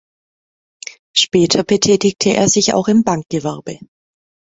Später betätigte er sich auch im Bankgewerbe.